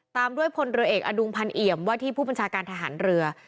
ตามด้วยพเอกอดุงพันเหยมวาถีผู้ปัญชาการทหารเรือ